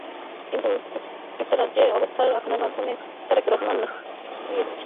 কিন্তু যুক্তরাজ্যে অবস্থান করার মাধ্যমে তারেক রহমান তাঁর অপরাধের সাজা এড়িয়ে যাচ্ছেন।